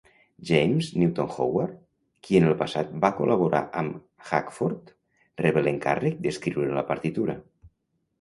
James Newton Howard, qui en el passat va col·laborar amb Hackford, rebé l'encàrrec d'escriure la partitura.